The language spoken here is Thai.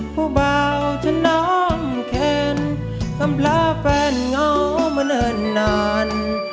ผู้เบาเช่นน้ำเข็นคำลาแฟนเหงามาเริ่นนาน